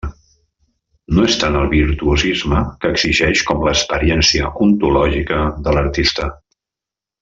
No és tant el virtuosisme que exigeix com l'experiència ontològica de l'artista.